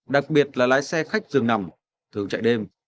đặc biệt là lái xe khách dường nằm thường chạy đêm